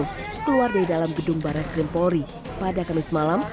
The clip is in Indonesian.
keluar dari dalam gedung baras krim pori pada kamis malam